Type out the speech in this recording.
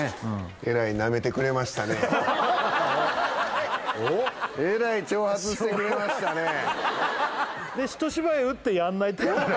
えらいなめてくれましたねでひと芝居うってやんないタイプだよな